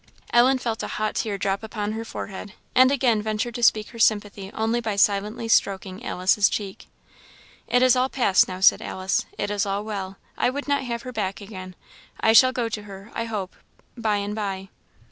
Ellen felt a hot tear drop upon her forehead, and again ventured to speak her sympathy only by silently stroking Alice's cheek. "It is all past now," said Alice; "it is all well. I would not have her back again. I shall go to her, I hope, by and by."